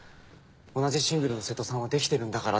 同じシングルの瀬戸さんはできてるんだから」